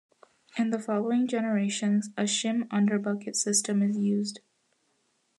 In the following generations a shim under bucket system is used.